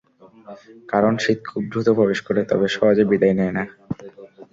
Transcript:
কারণ, শীত খুব দ্রুত প্রবেশ করে, তবে সহজে বিদায় নেয় না।